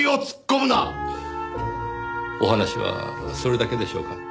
お話はそれだけでしょうか？